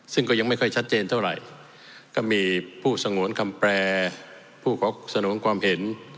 ซึ่งก็ยังไม่ค่อยชัดเจนเท่าไหร่ก็มีผู้สงวนคำแปรผู้ขอสนองความเห็น